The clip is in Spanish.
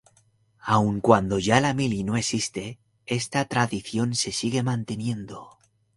Aun cuando ya la mili no existe esta tradición se sigue manteniendo.